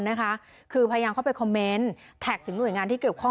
นะคะคือพยายามเข้าไปคอมเมนต์แท็กถึงหน่วยงานที่เกี่ยวข้อง